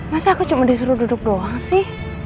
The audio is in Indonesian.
masa aku cuma disuruh duduk doang sih